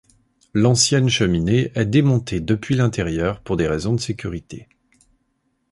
L'ancienne cheminée est démontée depuis l'intérieur pour des raisons de sécurité.